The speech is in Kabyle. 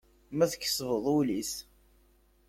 Ma tkesbeḍ ul-is.